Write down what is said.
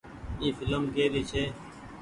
اي ڦلم ڪي ري ڇي۔